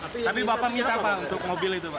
tapi bapak minta apa untuk mobil itu pak